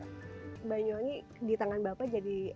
banyuwangi di tangan bapak